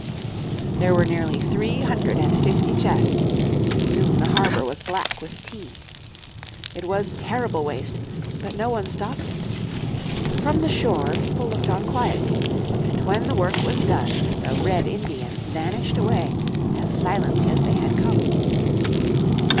There were nearly three hundred and fifty chests, and soon the harbour was black with tea. It was terrible waste, but no one stopped it. From the shore people looked on quietly. And when the work was done the "Red Indians" vanished away as silently as they had come.